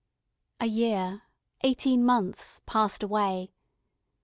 A year eighteen months passed away.